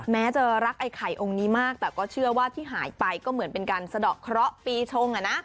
แม้จะรักไอ้ไข่องค์นี้มากแต่ก็เชื่อว่าที่หายไปก็เหมือนเป็นการสะดอกเคราะห์ปีชง